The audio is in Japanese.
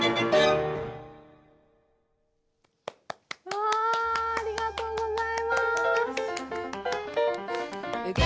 わあありがとうございます！